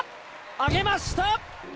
あげました！